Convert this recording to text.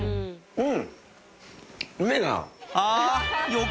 うん。